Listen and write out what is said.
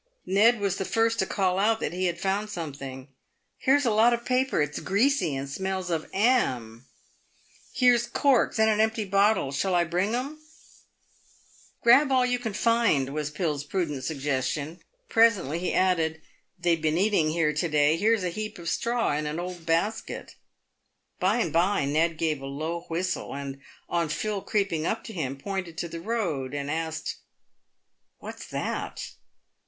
Ned was the first to call out that he had found something. " Here's a lot of paper ! It's greasy, and smells of 'am. , And here's corks, and an empty bottle ! Shall I bring 'em ?"" Grab all you can find," was Phil's prudent sugges tion. Presently he added, " They've been eating here to day. Here's a heap of straw, and an old basket." By and by Ned gave alow whistle, and, on Phil creeping up to him, pointed to the road, and asked '" What's that?"